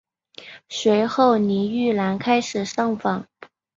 随后倪玉兰开始上访。